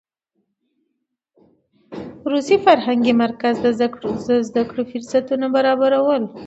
روسي فرهنګي مرکز د زده کړو فرصتونه برابرول.